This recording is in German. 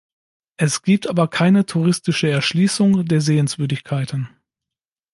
Es gibt aber keine touristische Erschließung der Sehenswürdigkeiten.